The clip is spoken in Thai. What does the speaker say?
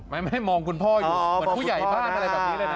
ไม่ให้มองคุณพ่ออยู่เหมือนผู้ใหญ่บ้านอะไรแบบนี้เลยนะ